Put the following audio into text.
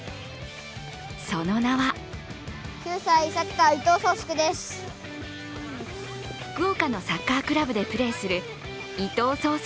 その名は福岡のサッカークラブでプレーする伊藤颯亮